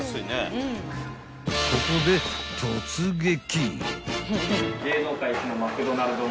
［ここで突撃］